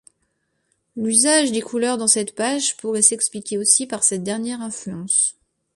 L'usage des couleurs dans cette page pourraient s'expliquer aussi par cette dernière influence.